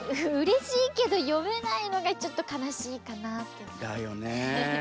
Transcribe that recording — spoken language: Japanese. うれしいけどよめないのがちょっとかなしいかなって。だよね。